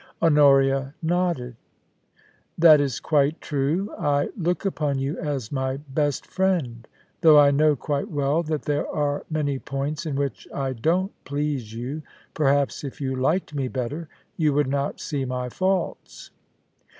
Honoria nodded. * That is quite true. I look upon you as my best friend, though I know quite well that there are many points in which I don't please you. Perhaps if you liked me better, you would not see my faults.'